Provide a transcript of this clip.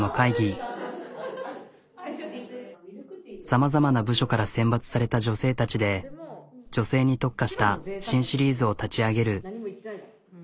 さまざまな部署から選抜された女性たちで女性に特化した新シリーズを立ち上げる。